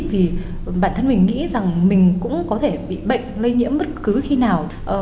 thì bản thân mình nghĩ rằng mình cũng có thể bị bệnh lây nhiễm bất cứ khi nào